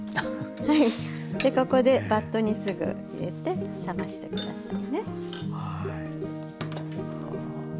でここでバットにすぐ入れて冷まして下さいね。